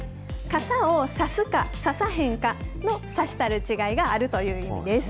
傘をさすかささへんかのさしたる違いがあるという意味です。